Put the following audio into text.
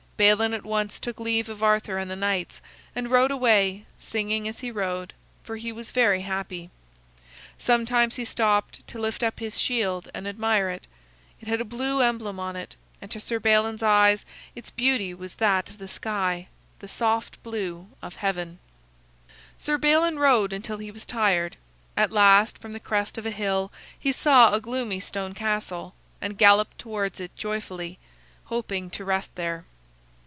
Balin at once took leave of Arthur and the knights, and rode away, singing as he rode, for he was very happy. Sometimes he stopped to lift up his shield and admire it. It had a blue emblem upon it, and to Sir Balin's eyes its beauty was that of the sky, the soft blue of heaven. Sir Balin rode until he was tired. At last, from the crest of a hill, he saw a gloomy stone castle, and galloped towards it joyfully, hoping to rest there.